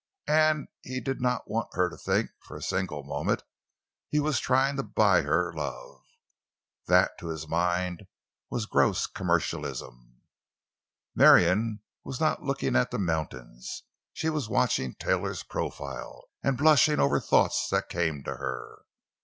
And he did not want her to think for a single moment he was trying to buy her love. That, to his mind was gross commercialism. Marion was not looking at the mountains; she was watching Taylor's profile—and blushing over thoughts that came to her.